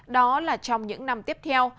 đó là trong những năm tiếp theo